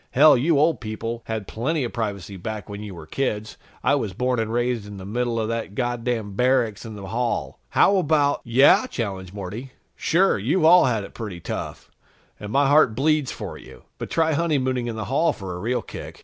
"Hell, you old people had plenty of privacy back when you were kids. I was born and raised in the middle of that goddamn barracks in the hall! How about " "Yeah?" challenged Morty. "Sure, you've all had it pretty tough, and my heart bleeds for you. But try honeymooning in the hall for a real kick."